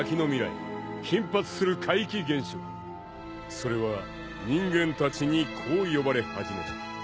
［それは人間たちにこう呼ばれ始めた］